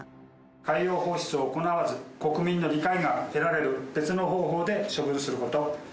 海洋放出を行わず、国民の理解が得られる別の方法で処分すること。